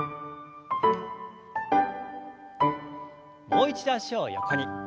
もう一度脚を横に。